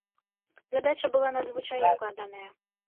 Задача была надзвычай складаная.